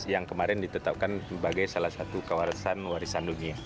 yang kemarin ditetapkan sebagai salah satu kawasan warisan dunia